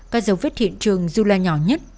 các dấu vết hiện trường dù là nhỏ nhất